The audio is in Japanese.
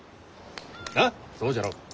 なっそうじゃろう？